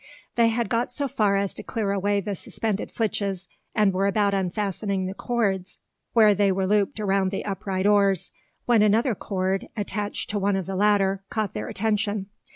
They had got so far as to clear away the suspended flitches, and were about unfastening the cords where they were looped around the upright oars, when another cord, attached to one of the latter, caught their attention.